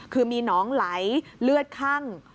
คือมีหนองไหลเลือดคั่ง